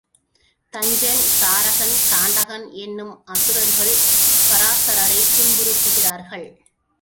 தஞ்சன், தாரகன், தாண்டகன் என்னும் அசுரர்கள் பராசரரைத் துன்புறுத்துகிறார்கள்.